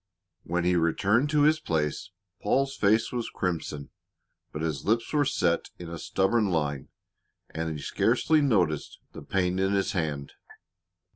When he returned to his place Paul's face was crimson, but his lips were set in a stubborn line and he scarcely noticed the pain in his hand.